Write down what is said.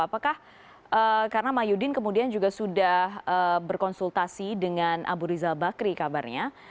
apakah karena mahyudin kemudian juga sudah berkonsultasi dengan abu rizal bakri kabarnya